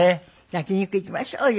焼き肉行きましょうよ。